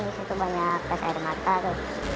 di situ banyak gas air mata tuh